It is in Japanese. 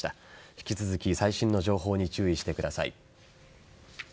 引き続き最新の情報に注意してください。